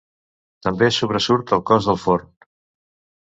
També sobresurt el cos del forn.